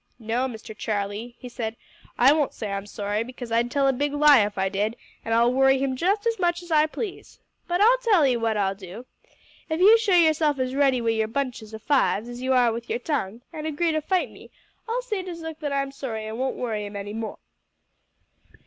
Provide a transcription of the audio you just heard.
"No, Mister Charlie," he said, "I won't say I'm sorry, because I'd tell a big lie if I did, and I'll worry him just as much as I please. But I'll tell 'e what I'll do. If you show yourself as ready wi' your bunches o' fives as you are wi' yer tongue, and agree to fight me, I'll say to Zook that I'm sorry and won't worry 'im any more."